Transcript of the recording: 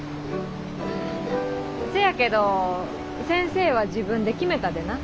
せやけど先生は自分で決めたでな。